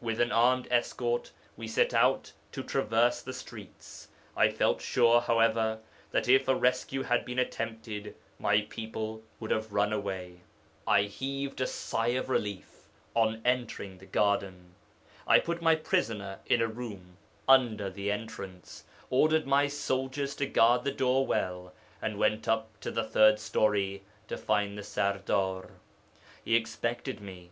With an armed escort we set out to traverse the streets. I feel sure, however, that if a rescue had been attempted my people would have run away. I heaved a sigh of relief on entering the garden. I put my prisoner in a room under the entrance, ordered my soldiers to guard the door well, and went up to the third story to find the Serdar. 'He expected me.